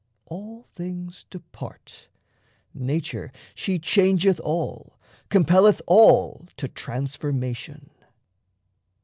All things depart; Nature she changeth all, compelleth all To transformation.